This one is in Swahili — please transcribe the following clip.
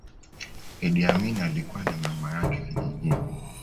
Idi Amin alikua na mama yake kijijini